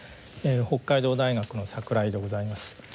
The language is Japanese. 北海道大学の櫻井でございます。